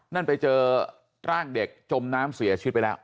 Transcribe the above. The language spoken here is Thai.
นั่นไปเจอร่างเด็กจมน้ำเสียชีวิตไปแล้ว